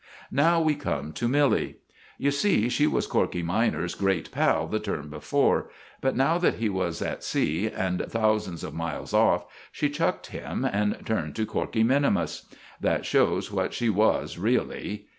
Now we come to Milly. You see she was Corkey minor's great pal the term before, but now that he was at sea, and thousands of miles off, she chucked him and turned to Corkey minimus. That shows what she was really.